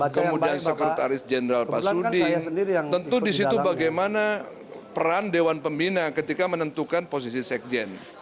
kemudian sekretaris jenderal pak sudi tentu disitu bagaimana peran dewan pembina ketika menentukan posisi sekjen